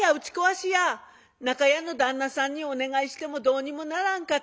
中屋の旦那さんにお願いしてもどうにもならんかった。